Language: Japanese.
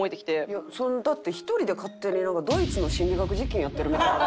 いやだって１人で勝手にドイツの心理学実験やってるみたいな。